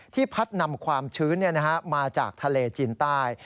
พัดนำความชื้นมาจากทะเลจีนใต้